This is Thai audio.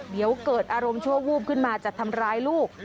เดี๋ยวเกิดอารมณ์ชั่ววูบขึ้นมาจะทำร้ายลูก